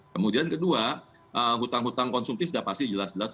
kemudian kedua hutang hutang konsumtif sudah pasti jelas jelas